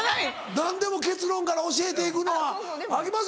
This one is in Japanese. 何でも結論から教えて行くのはあきません。